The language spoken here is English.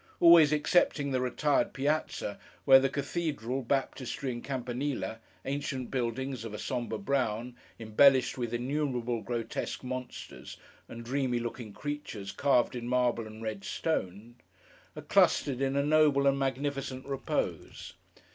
Always excepting the retired Piazza, where the Cathedral, Baptistery, and Campanile—ancient buildings, of a sombre brown, embellished with innumerable grotesque monsters and dreamy looking creatures carved in marble and red stone—are clustered in a noble and magnificent repose.